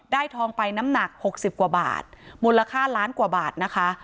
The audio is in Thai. ทองไปน้ำหนัก๖๐กว่าบาทมูลค่าล้านกว่าบาทนะคะ